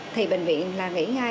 thì bệnh viện là nghỉ ngay